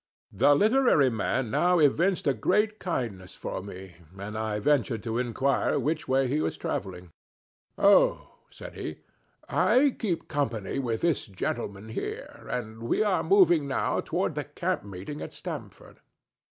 The literary man now evinced a great kindness for me, and I ventured to inquire which way he was travelling. "Oh," said he, "I keep company with this old gentlemen here, and we are moving now toward the camp meeting at Stamford."